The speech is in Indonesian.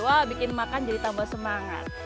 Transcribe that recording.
wah bikin makan jadi tambah semangat